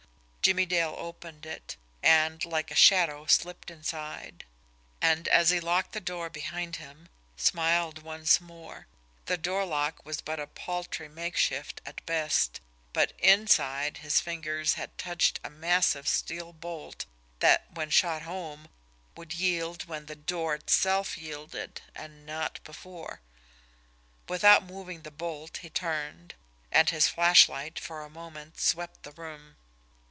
Jimmie Dale opened it, and, like a shadow, slipped inside; and, as he locked the door behind him, smiled once more the door lock was but a paltry makeshift at best, but INSIDE his fingers had touched a massive steel bolt that, when shot home, would yield when the door itself yielded and not before. Without moving the bolt, he turned and his flashlight for a moment swept the room.